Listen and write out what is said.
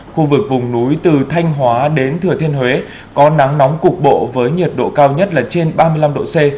khu vực vùng núi từ thanh hóa đến thừa thiên huế có nắng nóng cục bộ với nhiệt độ cao nhất là trên ba mươi năm độ c